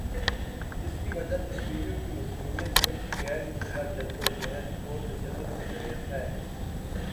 اس کی وجہ کشمیریوں کی مظلومیت، ان کی غیر مسلح جد وجہد اور تشدد سے گریز ہے۔